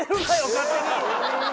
勝手に！